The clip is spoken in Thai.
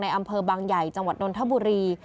อำเภอบางใหญ่จังหวัดนนทบุรี